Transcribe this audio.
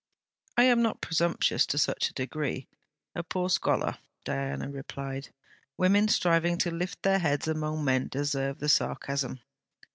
'I am not presumptuous to such a degree: a poor scholar,' Diana replied. 'Women striving to lift their heads among men deserve the sarcasm.'